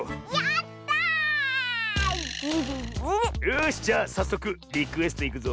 よしじゃあさっそくリクエストいくぞ。